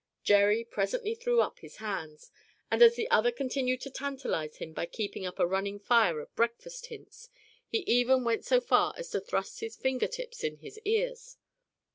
Jerry presently threw up his hands, and as the other continued to tantalize him by keeping up a running fire of breakfast hints, he even went so far as to thrust his fingertips in his ears.